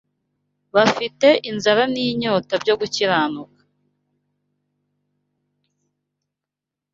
Bafite inzara n’inyota byo gukiranuka.